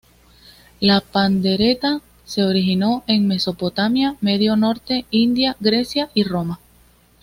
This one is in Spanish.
La pandereta se originó en Mesopotamia, Medio Oriente, India, Grecia y Roma.